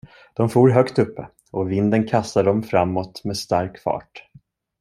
De for högt uppe, och vinden kastade dem framåt med stark fart.